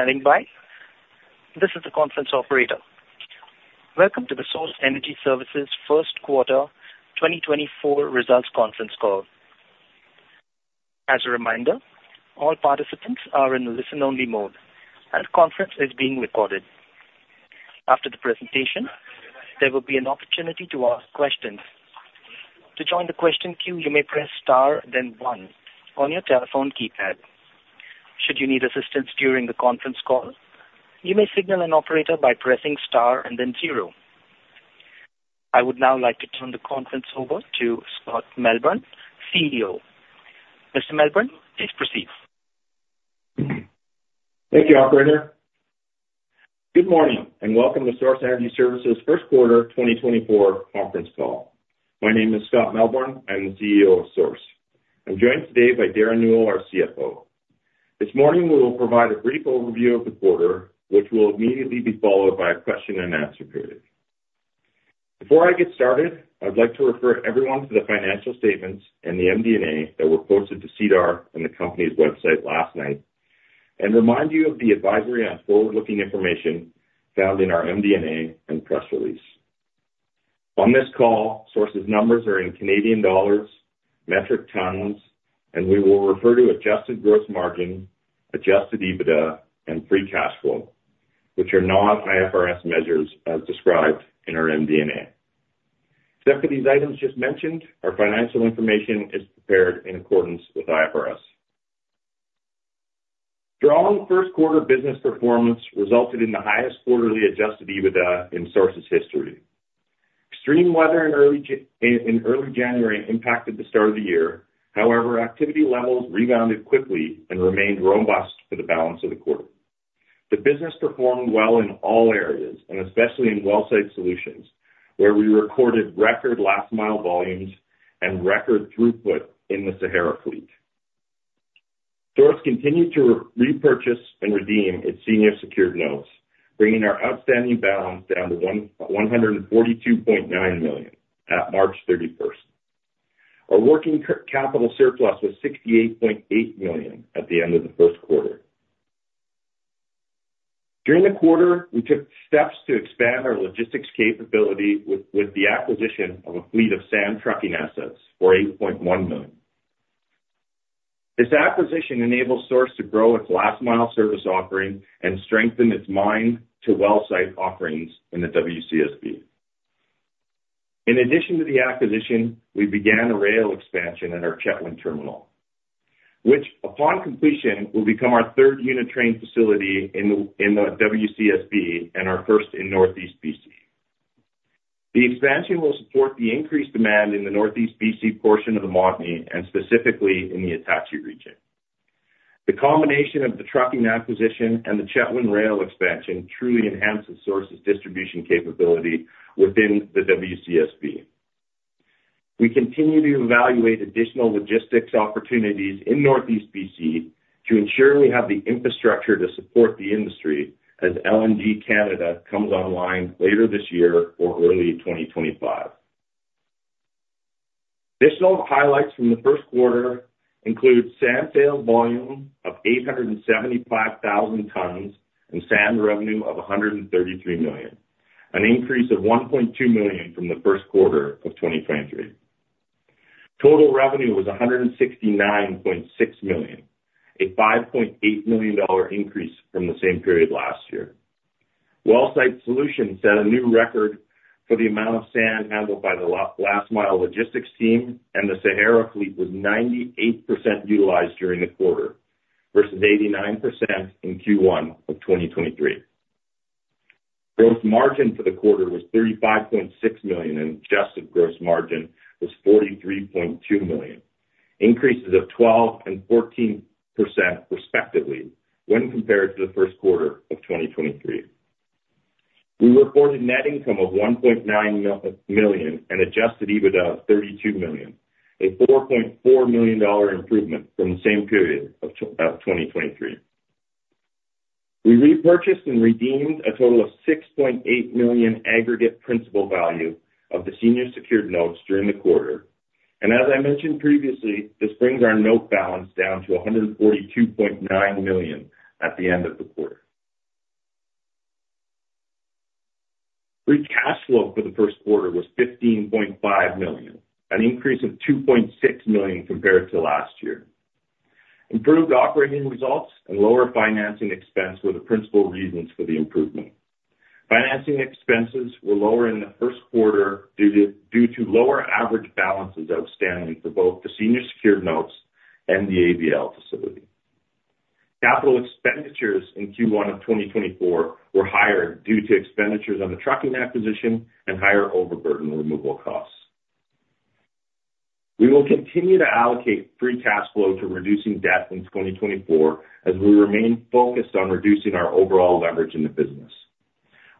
And just standing by. This is the conference operator. Welcome to the Source Energy Services First Quarter 2024 Results Conference call. As a reminder, all participants are in listen-only mode and the conference is being recorded. After the presentation, there will be an opportunity to ask questions. To join the question queue, you may press star then one on your telephone keypad. Should you need assistance during the conference call, you may signal an operator by pressing star and then one. I would now like to turn the conference over to Scott Melbye, CEO. Mr. Melbye, please proceed. Thank you, operator. Good morning and welcome to Source Energy Services first quarter 2024 conference call. My name is Scott Melbye. I'm the CEO of Source. I'm joined today by Derren Newell, our CFO. This morning we will provide a brief overview of the quarter, which will immediately be followed by a question-and-answer period. Before I get started, I'd like to refer everyone to the financial statements and the MD&A that were posted to SEDAR+ and the company's website last night and remind you of the advisory on forward-looking information found in our MD&A and press release. On this call, Source's numbers are in CAD, metric tons, and we will refer to adjusted gross margin, adjusted EBITDA, and free cash flow, which are non-IFRS measures as described in our MD&A. Except for these items just mentioned, our financial information is prepared in accordance with IFRS. Strong first quarter business performance resulted in the highest quarterly adjusted EBITDA in Source's history. Extreme weather in early January impacted the start of the year. However, activity levels rebounded quickly and remained robust for the balance of the quarter. The business performed well in all areas, and especially in Wellsite Solutions, where we recorded record last-mile volumes and record throughput in the Sahara fleet. Source continued to repurchase and redeem its senior secured notes, bringing our outstanding balance down to 142.9 million at March 31st. Our working capital surplus was 68.8 million at the end of the first quarter. During the quarter, we took steps to expand our logistics capability with the acquisition of a fleet of sand trucking assets for 8.1 million. This acquisition enabled Source to grow its last-mile service offering and strengthen its mine-to-wellsite offerings in the WCSB. In addition to the acquisition, we began a rail expansion at our Chetwynd terminal, which, upon completion, will become our third unit-train facility in the WCSB and our first in Northeast BC. The expansion will support the increased demand in the Northeast BC portion of the Montney and specifically in the Attachie region. The combination of the trucking acquisition and the Chetwynd rail expansion truly enhances Source's distribution capability within the WCSB. We continue to evaluate additional logistics opportunities in Northeast BC to ensure we have the infrastructure to support the industry as LNG Canada comes online later this year or early 2025. Additional highlights from the first quarter include sand sales volume of 875,000 tons and sand revenue of 133 million, an increase of 1.2 million from the first quarter of 2023. Total revenue was 169.6 million, a 5.8 million dollar increase from the same period last year. Wellsite Solutions set a new record for the amount of sand handled by the last-mile logistics team, and the Sahara fleet was 98% utilized during the quarter versus 89% in Q1 of 2023. Gross margin for the quarter was 35.6 million, and adjusted gross margin was 43.2 million, increases of 12% and 14% respectively when compared to the first quarter of 2023. We reported net income of 1.9 million and adjusted EBITDA of 32 million, a 4.4 million dollar improvement from the same period of 2023. We repurchased and redeemed a total of 6.8 million aggregate principal value of the senior secured notes during the quarter. As I mentioned previously, this brings our note balance down to 142.9 million at the end of the quarter. Free cash flow for the first quarter was 15.5 million, an increase of 2.6 million compared to last year. Improved operating results and lower financing expense were the principal reasons for the improvement. Financing expenses were lower in the first quarter due to lower average balances outstanding for both the senior secured notes and the ABL facility. Capital expenditures in Q1 of 2024 were higher due to expenditures on the trucking acquisition and higher overburden removal costs. We will continue to allocate free cash flow to reducing debt in 2024 as we remain focused on reducing our overall leverage in the business.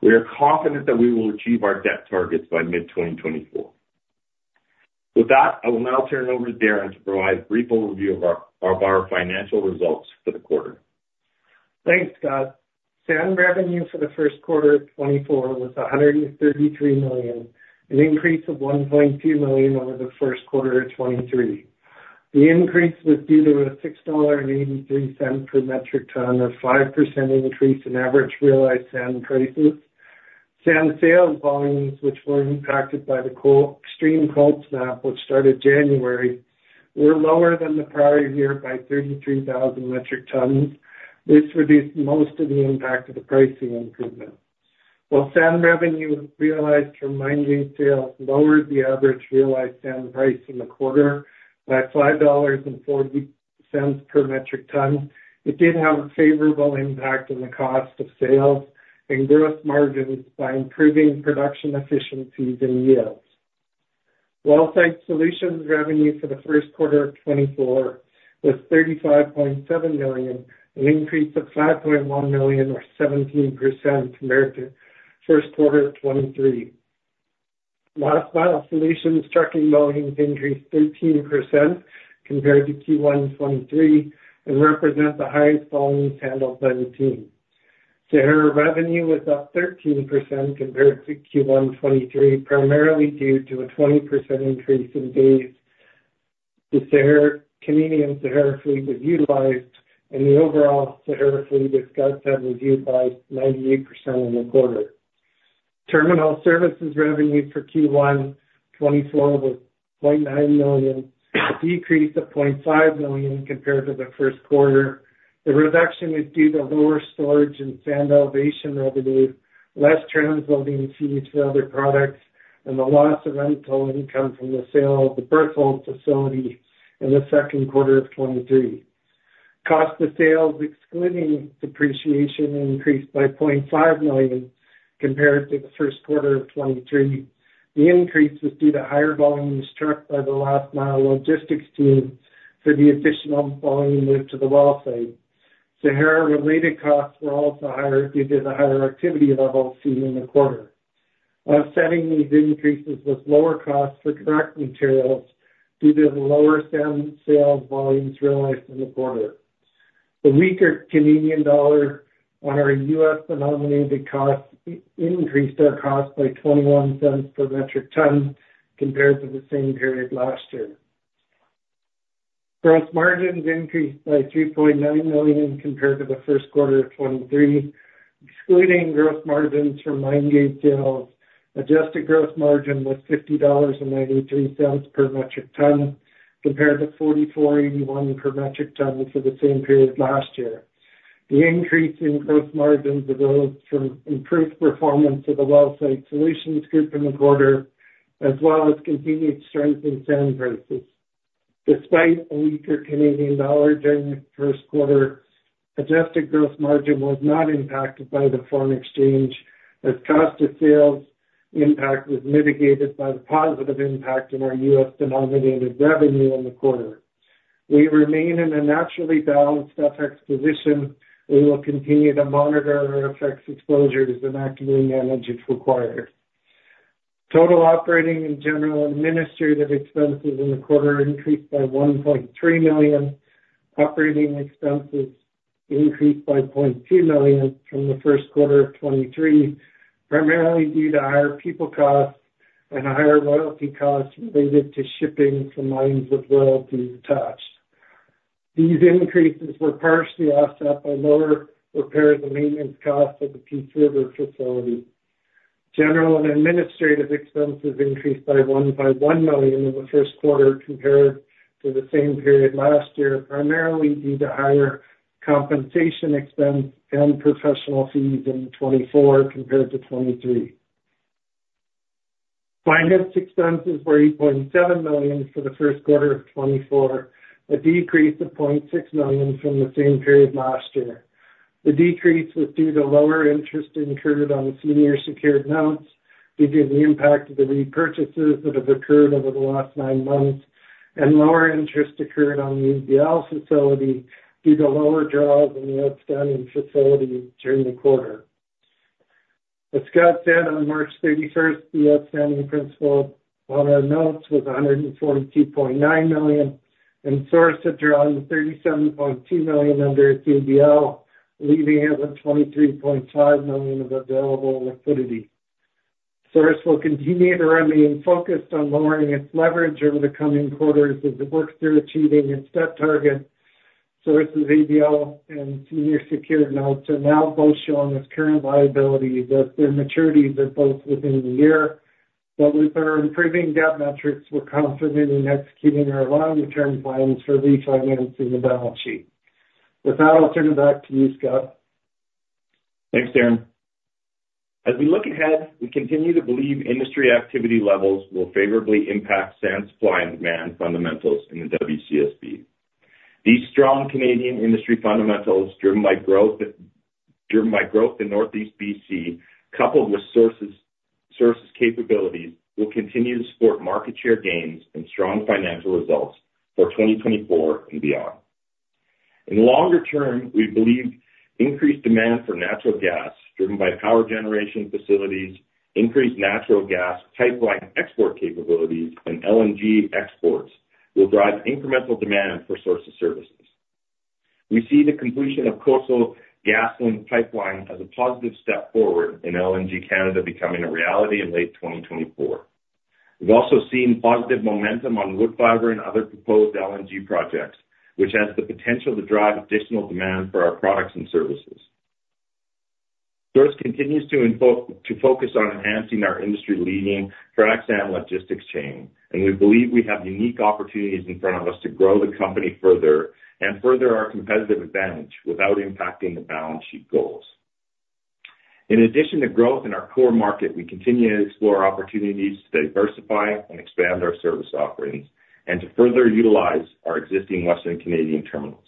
We are confident that we will achieve our debt targets by mid-2024. With that, I will now turn over to Derren to provide a brief overview of our financial results for the quarter. Thanks, Scott. Sand revenue for the first quarter of 2024 was 133 million, an increase of 1.2 million over the first quarter of 2023. The increase was due to a $6.83 per metric ton or 5% increase in average realized sand prices. Sand sales volumes, which were impacted by the extreme cold snap which started January, were lower than the prior year by 33,000 metric tons. This reduced most of the impact of the pricing improvement. While sand revenue realized from mine-grade sales lowered the average realized sand price in the quarter by $5.40 per metric ton, it did have a favorable impact on the cost of sales and gross margins by improving production efficiencies and yields. Wellsite Solutions revenue for the first quarter of 2024 was 35.7 million, an increase of 5.1 million or 17% compared to first quarter of 2023. Last-mile solutions trucking volumes increased 13% compared to Q1 of 2023 and represent the highest volumes handled by the team. Sahara revenue was up 13% compared to Q1 of 2023, primarily due to a 20% increase in days. The Canadian Sahara fleet was utilized, and the overall Sahara fleet as Scott said was utilized 98% in the quarter. Terminal services revenue for Q1 of 2024 was 0.9 million, a decrease of 0.5 million compared to the first quarter. The reduction is due to lower storage and sand elevation revenue, less transloading fees for other products, and the loss of rental income from the sale of the Berthold facility in the second quarter of 2023. Cost of sales, excluding depreciation, increased by 0.5 million compared to the first quarter of 2023. The increase was due to higher volumes trucked by the last-mile logistics team for the additional volume moved to the well site. Sahara-related costs were also higher due to the higher activity levels seen in the quarter. Offsetting these increases was lower costs for procured materials due to the lower sand sales volumes realized in the quarter. The weaker Canadian dollar on our US-denominated costs increased our cost by $0.0021 per metric ton compared to the same period last year. Gross margins increased by 3.9 million compared to the first quarter of 2023. Excluding gross margins from mine-grade sales, adjusted gross margin was 50.93 dollars per metric ton compared to 44.81 per metric ton for the same period last year. The increase in gross margins arose from improved performance of the Wellsite Solutions group in the quarter, as well as continued strength in sand prices. Despite a weaker Canadian dollar during the first quarter, adjusted gross margin was not impacted by the foreign exchange as cost of sales impact was mitigated by the positive impact in our US-denominated revenue in the quarter. We remain in a naturally balanced FX position. We will continue to monitor our FX exposures and actively manage if required. Total operating and general administrative expenses in the quarter increased by 1.3 million. Operating expenses increased by 0.2 million from the first quarter of 2023, primarily due to higher people costs and higher royalty costs related to shipping from mines with royalties attached. These increases were partially offset by lower repairs and maintenance costs at the Peace River facility. General and administrative expenses increased by 1.1 million in the first quarter compared to the same period last year, primarily due to higher compensation expense and professional fees in 2024 compared to 2023. Finance expenses were 8.7 million for the first quarter of 2024, a decrease of 0.6 million from the same period last year. The decrease was due to lower interest incurred on senior secured notes due to the impact of the repurchases that have occurred over the last nine months, and lower interest occurred on the ABL facility due to lower draws in the outstanding facility during the quarter. As Scott said on March 31st, the outstanding principal on our notes was 142.9 million, and Source had drawn 37.2 million under its ABL, leaving it with 23.5 million of available liquidity. Source will continue to remain focused on lowering its leverage over the coming quarters as it works through achieving its debt target. Source's ABL and senior secured notes are now both showing its current liabilities as their maturities are both within the year. But with our improving debt metrics, we're confident in executing our long-term plans for refinancing the balance sheet. With that, I'll turn it back to you, Scott. Thanks, Derren. As we look ahead, we continue to believe industry activity levels will favorably impact sand supply and demand fundamentals in the WCSB. These strong Canadian industry fundamentals driven by growth in Northeast BC, coupled with Source's capabilities, will continue to support market share gains and strong financial results for 2024 and beyond. In the longer term, we believe increased demand for natural gas driven by power generation facilities, increased natural gas pipeline export capabilities, and LNG exports will drive incremental demand for Source's services. We see the completion of Coastal GasLink pipeline as a positive step forward in LNG Canada becoming a reality in late 2024. We've also seen positive momentum on wood fiber and other proposed LNG projects, which has the potential to drive additional demand for our products and services. Source continues to focus on enhancing our industry-leading frac sand logistics chain, and we believe we have unique opportunities in front of us to grow the company further and further our competitive advantage without impacting the balance sheet goals. In addition to growth in our core market, we continue to explore opportunities to diversify and expand our service offerings and to further utilize our existing Western Canadian terminals.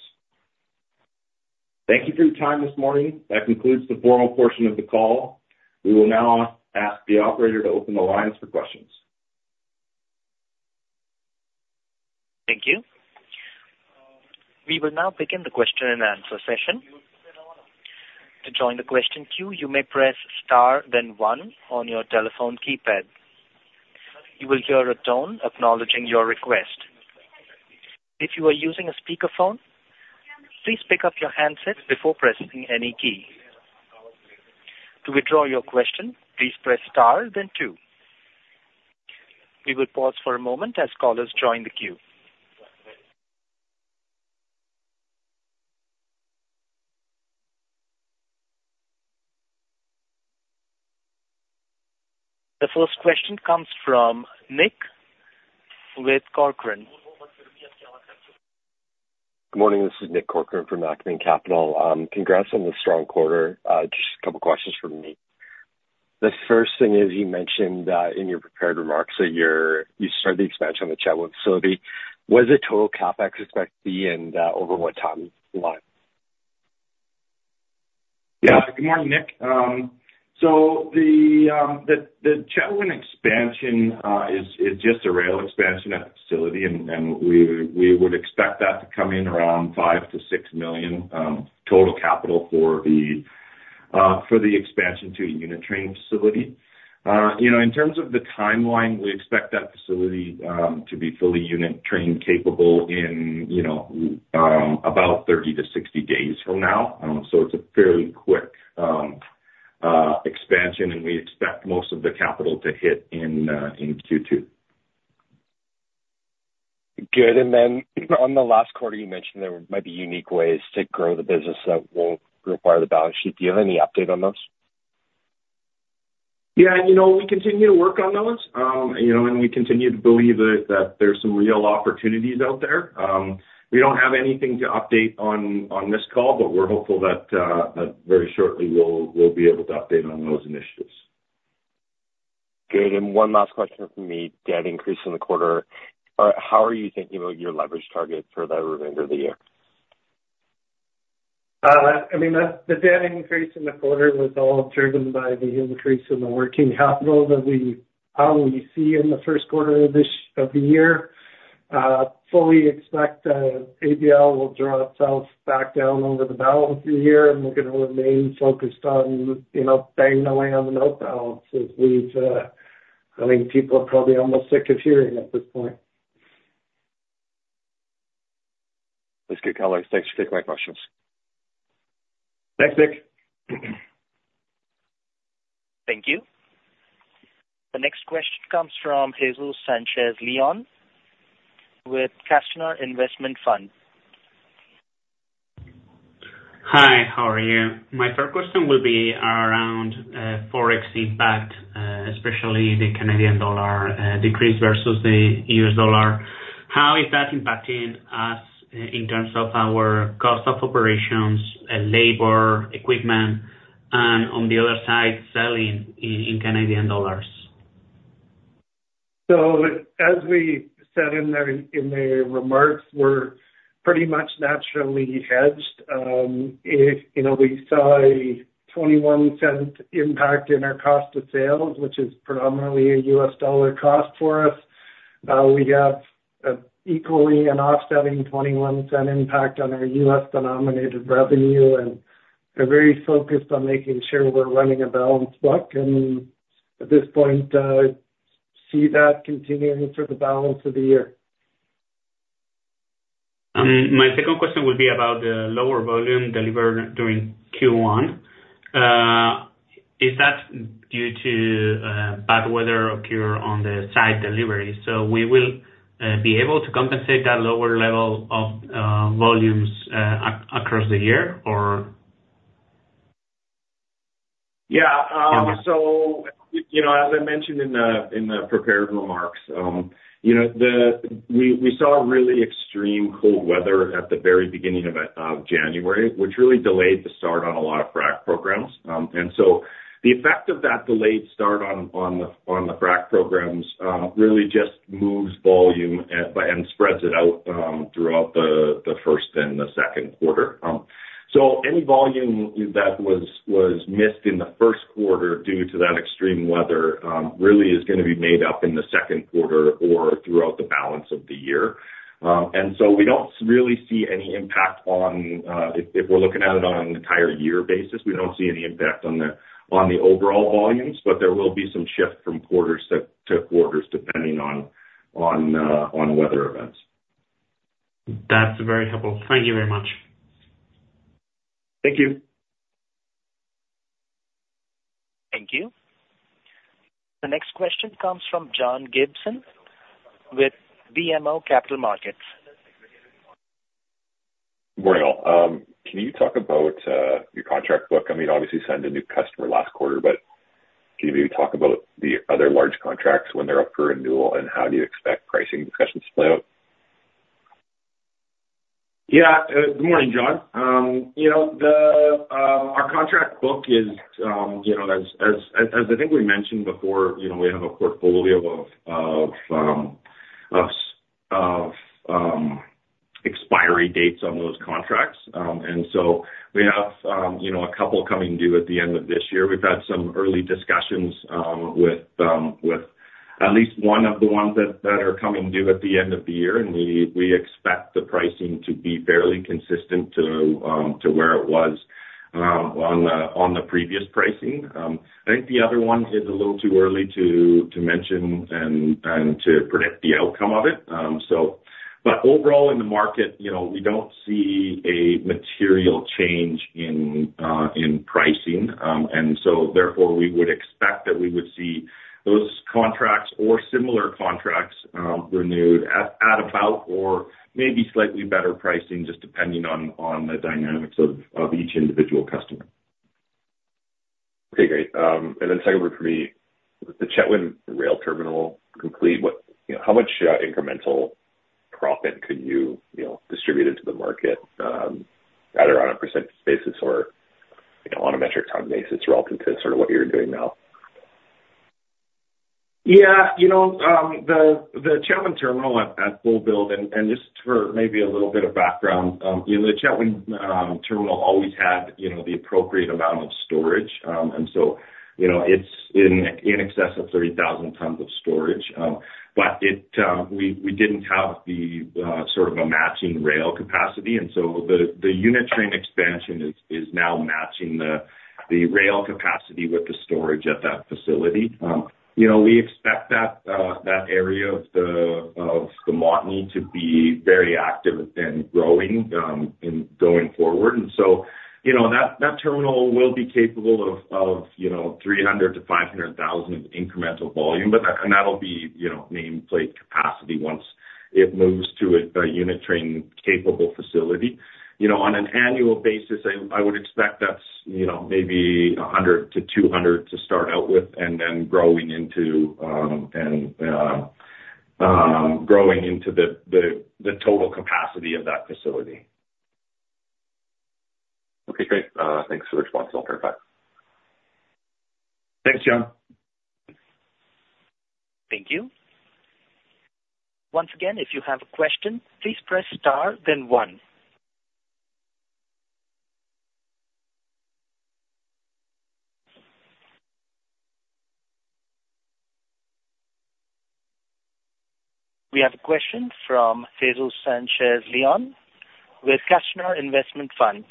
Thank you for your time this morning. That concludes the formal portion of the call. We will now ask the operator to open the lines for questions. Thank you. We will now begin the question-and-answer session. To join the question queue, you may press star, then one on your telephone keypad. You will hear a tone acknowledging your request. If you are using a speakerphone, please pick up your handset before pressing any key. To withdraw your question, please press star, then two. We will pause for a moment as callers join the queue. The first question comes from Nick Corcoran. Good morning. This is Nick Corcoran from Acumen Capital. Congrats on this strong quarter. Just a couple of questions from me. The first thing is you mentioned in your prepared remarks that you started the expansion on the Chetwynd facility. What is the total CapEx expected to be, and over what timeline? Yeah. Good morning, Nick. So the Chetwynd expansion is just a rail expansion at the facility, and we would expect that to come in around 5-6 million total capital for the expansion to a unit train facility. In terms of the timeline, we expect that facility to be fully unit train capable in about 30-60 days from now. So it's a fairly quick expansion, and we expect most of the capital to hit in Q2. Good. Then on the last quarter, you mentioned there might be unique ways to grow the business that won't require the balance sheet. Do you have any update on those? Yeah. We continue to work on those, and we continue to believe that there's some real opportunities out there. We don't have anything to update on this call, but we're hopeful that very shortly we'll be able to update on those initiatives. Good. One last question from me. Debt increase in the quarter. How are you thinking about your leverage target for the remainder of the year? I mean, the debt increase in the quarter was all driven by the increase in the working capital that we see in the first quarter of the year. Fully expect ABL will draw itself back down over the balance of the year, and we're going to remain focused on banging away on the note balance as we've I mean, people are probably almost sick of hearing at this point. Let's get callers. Thanks for taking my questions. Thanks, Nick. Thank you. The next question comes from Jesús Sánchez-Leon with Castañar Investment Fund. Hi. How are you? My first question will be around Forex impact, especially the Canadian dollar decrease versus the U.S. dollar. How is that impacting us in terms of our cost of operations, labor, equipment, and on the other side, selling in Canadian dollars? As we said in the remarks, we're pretty much naturally hedged. We saw a $0.21 impact in our cost of sales, which is predominantly a US dollar cost for us. We have equally an offsetting $0.21 impact on our US-denominated revenue, and we're very focused on making sure we're running a balanced book. At this point, see that continuing for the balance of the year. My second question will be about the lower volume delivered during Q1. Is that due to bad weather occurring on the site delivery? So we will be able to compensate that lower level of volumes across the year, or? Yeah. So as I mentioned in the prepared remarks, we saw really extreme cold weather at the very beginning of January, which really delayed the start on a lot of frac programs. And so the effect of that delayed start on the frac programs really just moves volume and spreads it out throughout the first and the second quarter. So any volume that was missed in the first quarter due to that extreme weather really is going to be made up in the second quarter or throughout the balance of the year. And so we don't really see any impact on if we're looking at it on an entire-year basis, we don't see any impact on the overall volumes, but there will be some shift from quarters to quarters depending on weather events. That's very helpful. Thank you very much. Thank you. Thank you. The next question comes from John Gibson with BMO Capital Markets. Morning. Can you talk about your contract book? I mean, obviously, you sent a new customer last quarter, but can you maybe talk about the other large contracts when they're up for renewal, and how do you expect pricing discussions to play out? Yeah. Good morning, John. Our contract book is, as I think we mentioned before, we have a portfolio of expiry dates on those contracts. And so we have a couple coming due at the end of this year. We've had some early discussions with at least one of the ones that are coming due at the end of the year, and we expect the pricing to be fairly consistent to where it was on the previous pricing. I think the other one is a little too early to mention and to predict the outcome of it. But overall, in the market, we don't see a material change in pricing. And so therefore, we would expect that we would see those contracts or similar contracts renewed at about or maybe slightly better pricing, just depending on the dynamics of each individual customer. Okay. Great. And then secondly for me, with the Chetwynd rail terminal complete, how much incremental profit could you distribute into the market either on a percentage basis or on a metric ton basis relative to sort of what you're doing now? Yeah. The Chetwynd terminal at full build, and just for maybe a little bit of background, the Chetwynd terminal always had the appropriate amount of storage. And so it's in excess of 30,000 tons of storage. But we didn't have sort of a matching rail capacity. And so the unit-train expansion is now matching the rail capacity with the storage at that facility. We expect that area of the Montney to be very active and growing going forward. And so that terminal will be capable of 300,000-500,000 of incremental volume, and that'll be nameplate capacity once it moves to a unit-train capable facility. On an annual basis, I would expect that's maybe 100-200 to start out with and then growing into the total capacity of that facility. Okay. Great. Thanks for the response. I'll turn it back. Thanks, John. Thank you. Once again, if you have a question, please press star, then one. We have a question from Jesús Sánchez-Leon with Castañar Investment Fund.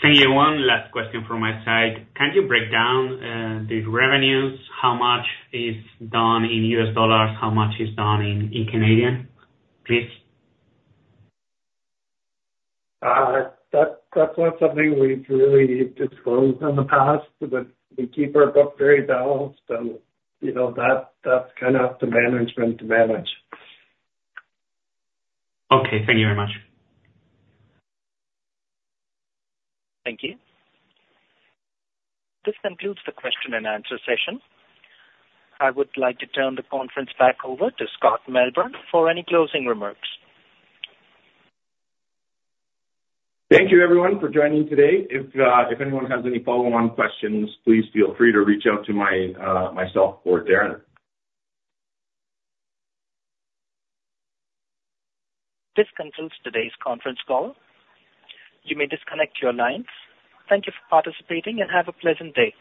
Thank you, Juan. Last question from my side. Can you break down the revenues? How much is done in US dollars? How much is done in Canadian, please? That's not something we've really disclosed in the past, but we keep our book very balanced. So that's kind of up to management to manage. Okay. Thank you very much. Thank you. This concludes the question-and-answer session. I would like to turn the conference back over to Scott Melbye for any closing remarks. Thank you, everyone, for joining today. If anyone has any follow-on questions, please feel free to reach out to myself or Derren. This concludes today's conference call. You may disconnect your lines. Thank you for participating, and have a pleasant day.